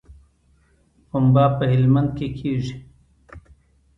پنبه په هلمند کې کیږي